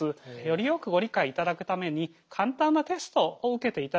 よりよくご理解いただくために簡単なテストを受けていただきたいと思います。